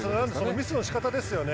ミスの仕方ですよね。